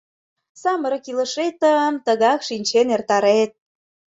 — Самырык илышетым тыгак шинчен эртарет.